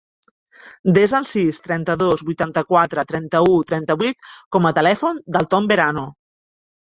Desa el sis, trenta-dos, vuitanta-quatre, trenta-u, trenta-vuit com a telèfon del Tom Verano.